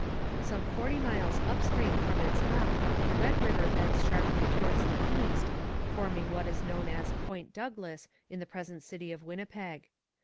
Some forty miles up stream from its mouth the Red River bends sharply towards the east, forming what is known as Point Douglas in the present city of Winnipeg.